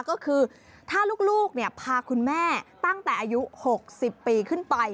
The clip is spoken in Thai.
ก็คือถ้าลูกพาคุณแม่ตั้งแต่อายุ๖๐ปีขึ้นไป